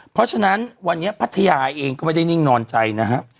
เพราะฉะนั้นวันนี้พัทยาเองก็ไม่ได้นิ่งนอนใจนะครับ